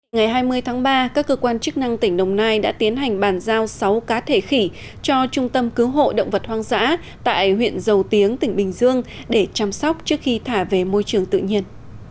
ngày hai mươi tháng ba các cơ quan chức năng tỉnh đồng nai đã tiến hành bàn giao sáu cá thể khỉ cho trung tâm cứu hộ động vật hoang dã tại huyện dầu tiếng tỉnh bình dương để chăm sóc trước khi thả về môi trường tự nhiên